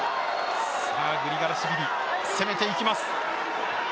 グリガラシビリ攻めていきます。